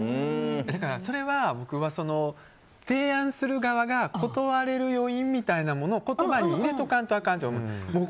それは僕は提案する側が断れる余韻みたいなものを言葉に入れておかんとあかんと思う。